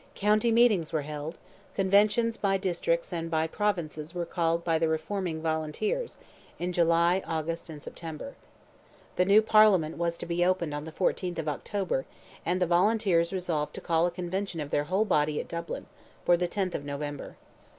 County meetings were held; conventions by districts and by provinces were called by the reforming Volunteers, in July, August, and September. The new Parliament was to be opened on the 14th of October, and the Volunteers resolved to call a convention of their whole body at Dublin, for the 10th of November.